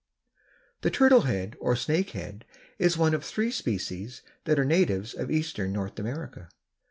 _) The Turtle head or Snake head is one of three species that are natives of eastern North America.